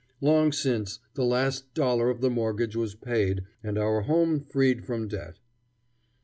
Long since, the last dollar of the mortgage was paid and our home freed from debt.